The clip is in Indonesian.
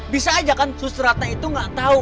bisa aja kan susteratna itu gak tau